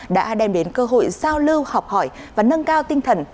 đã đem đến cơ hội giao lưu học hỏi và nâng cao tinh thần